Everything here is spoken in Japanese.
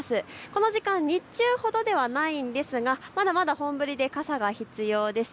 この時間、日中ほどではないですが、まだまだ本降りで傘が必要です。